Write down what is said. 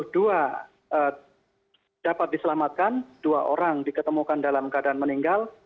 dua dapat diselamatkan dua orang diketemukan dalam keadaan meninggal